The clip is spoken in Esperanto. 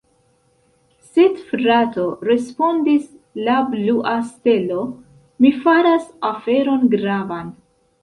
Sed frato, respondis la blua stelo, mi faras aferon gravan!